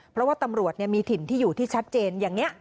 เพราะว่าตำรวจมีถิ่นที่อยู่ที่ชัดเจนอย่างนี้